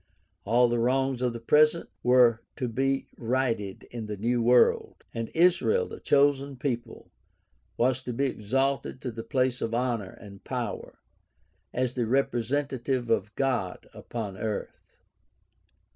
All the wrongs of the present were to be righted in the new world; and Israel, the chosen people, was to be exalted to the place of honor and power, as the representative of God upon earth.